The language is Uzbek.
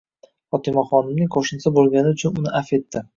Fotimaxonimning qo'shnisi bo'lgani uchun uni avf etdi.